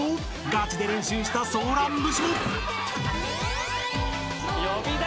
［ガチで練習した『ソーラン節』も！］